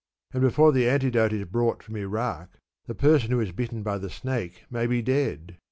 and before the antidote is brought from Irak, the person who is bitten by the snake may be dead.'